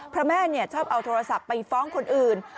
เพราะแม่ชอบเอาโทรศัพท์ไปฟ้องคนอื่น